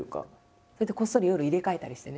こっそり夜入れ替えたりしてね。